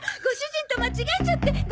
ご主人と間違えちゃって。